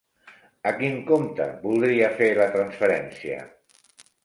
A quin compte voldria fer la transferència?